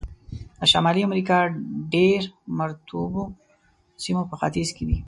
د شمالي امریکا ډېر مرطوبو سیمې په ختیځ کې دي.